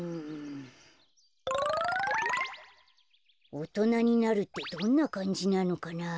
おとなになるってどんなかんじなのかなあ。